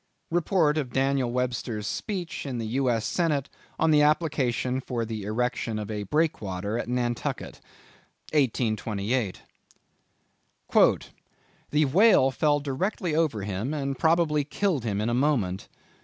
—Report of Daniel Webster's Speech in the U. S. Senate, on the application for the Erection of a Breakwater at Nantucket. 1828. "The whale fell directly over him, and probably killed him in a moment."